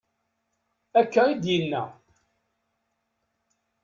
Akka i d-yenna.